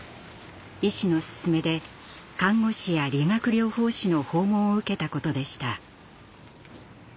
医師の勧めで看護師や理学療法士の訪問を受けたことでした。